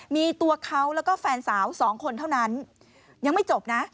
มีตัวเขาแล้วก็แฟนสาวสองคนเท่านั้นยังไม่จบนะ